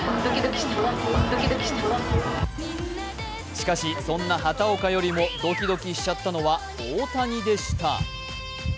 しかし、そんな畑岡よりもどきどきしちゃったのは大谷でした。